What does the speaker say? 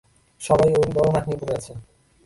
সবাই ওর বড় নাক নিয়ে পড়ে আছে।